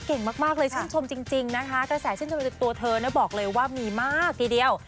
เก่งมากเลยช่างชมจริงนะคะแต่แสดงช่างชมจากตัวเธอนะบอกเลยว่ามีมากทีเดียว